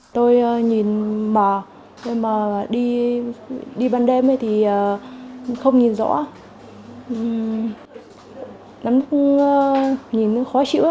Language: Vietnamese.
giác mạc chóp là một bệnh nguy hiểm gây mất thị lực không thể phục hồi nhưng đa phần khó phát hiện sớm